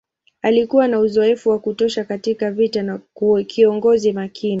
Alikuwa na uzoefu wa kutosha katika vita na kiongozi makini.